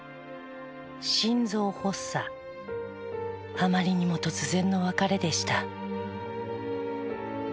あまりにも突然の別れでした。